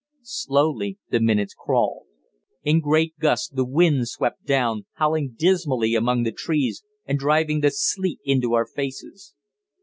Slowly the minutes crawled. In great gusts the wind swept down, howling dismally among the trees and driving the sleet into our faces.